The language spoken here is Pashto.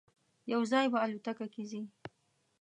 یو ځای به الوتکه کې ځی.